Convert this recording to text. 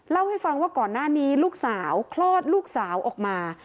เล่าให้ฟังว่าก่อนหน้านี้ลูกสาวคลอดลูกสาวออกมา